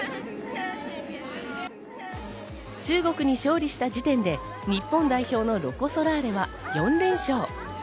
中国に勝利した時点で日本代表のロコ・ソラーレは４連勝。